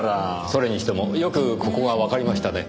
それにしてもよくここがわかりましたね。